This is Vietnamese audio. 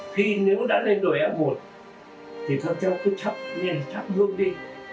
khi nếu đã lên đội a một thì các cháu cứ thắp ngay thắp thương đi